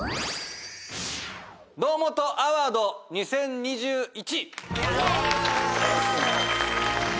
堂本アワード２０２１！